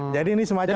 jadi ini semacam